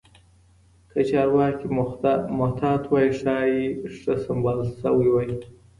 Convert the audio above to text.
که چارواکي محتاط وای، ښار ښه سمبال شوی وای.